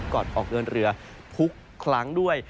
ก่อนออกเรือนเรือพุกคลั้งด้วย